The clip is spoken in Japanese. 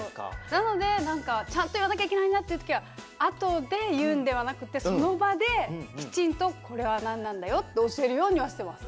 なのでなんかちゃんといわなきゃいけないなっていうときはあとでいうんではなくてそのばできちんとこれはなんなんだよっておしえるようにはしてます。